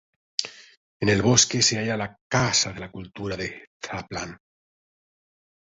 En el bosque se halla la Casa de la Cultura de Tlalpan.